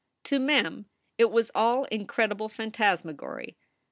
To Mem it was all incredible phantasmagory.